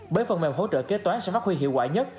bởi phần mềm hỗ trợ kế toán sẽ phát huy hiệu quả nhất